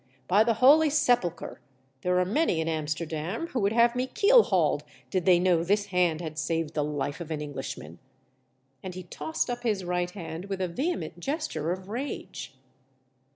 By the holy sepulchre, there are many in Amsterdam who would have me keel hauled did they know this hand had saved the life of an Englishman !" And he tossed up his right hand with a vehement gesture of rage.